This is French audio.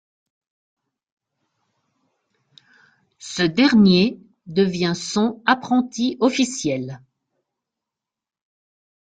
Ce dernier devient son apprenti officiel.